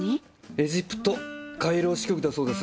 エジプトカイロ支局だそうです。